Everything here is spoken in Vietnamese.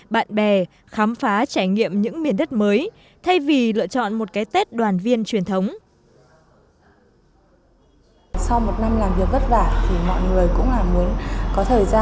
bạn bè khám phá trải nghiệm những miền đất mới thay vì lựa chọn một cái tết đoàn viên truyền thống